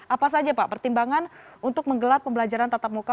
apa saja pak pertimbangan untuk menggelar pembelajaran tatap muka